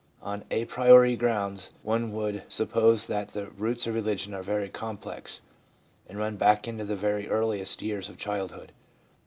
On a priori grounds one would suppose that the roots of religion are very complex, and run back into the very earliest years of childhood.